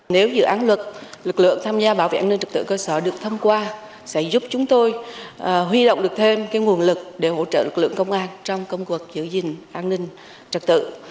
nếu dự án luật lực lượng tham gia bảo vệ an ninh trực tự cơ sở được thông qua sẽ giúp chúng tôi huy động được thêm nguồn lực để hỗ trợ lực lượng công an trong công cuộc giữ gìn an ninh trật tự